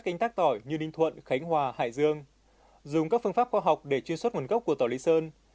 các canh tác tỏi như ninh thuận khánh hòa hải dương dùng các phương pháp khoa học để chuyên suất nguồn gốc của tỏi lý sơn